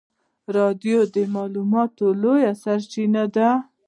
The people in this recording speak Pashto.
رادیو د معلوماتو لویه سرچینه ده.